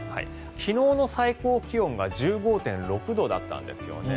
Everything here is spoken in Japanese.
昨日の最高気温が１５．６度だったんですよね。